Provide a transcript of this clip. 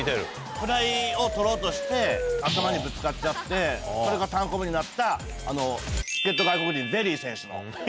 フライを捕ろうとして頭にぶつかっちゃってそれがたんこぶになった助っ人外国人ゼリー選手の。